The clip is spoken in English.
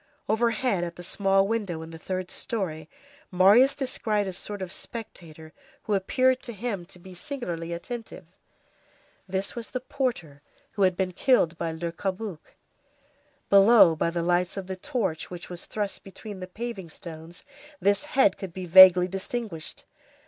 Overhead, at the small window in the third story Marius descried a sort of spectator who appeared to him to be singularly attentive. This was the porter who had been killed by Le Cabuc. Below, by the lights of the torch, which was thrust between the paving stones, this head could be vaguely distinguished.